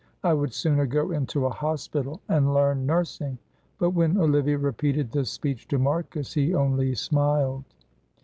"I would sooner go into a hospital and learn nursing." But when Olivia repeated this speech to Marcus he only smiled.